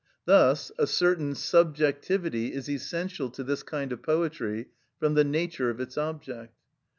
Thus a certain subjectivity is essential to this kind of poetry from the nature of its object.